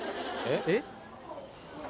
えっ？